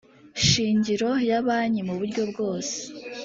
shingiro ya banki mu buryo bwose